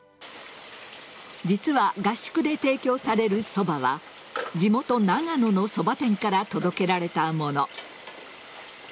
実は、合宿で提供されるそばは地元・長野のそば店から届けられたもの。